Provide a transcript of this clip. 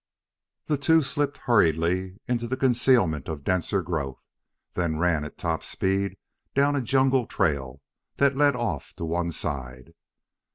The two slipped hurriedly into the concealment of denser growth, then ran at top speed down a jungle trail that led off to one side.